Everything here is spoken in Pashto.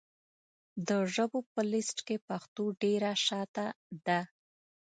د ژبو په لېسټ کې پښتو ډېره شاته ده .